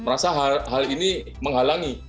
merasa hal ini menghalangi